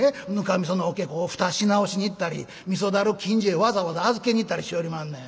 味噌の桶こう蓋し直しに行ったり味噌樽を近所へわざわざ預けに行ったりしよりまんねん。